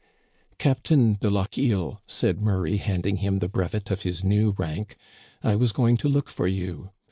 ' Captain de Lochiel,' said Murray, handing him the brevet of his new rank, * I was going to look for you.